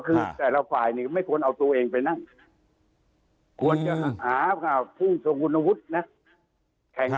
คือแต่ละฝ่ายเนี่ยไม่ควรเอาตัวเองไปนั่งควรจะหาผู้ทรงคุณวุฒินะ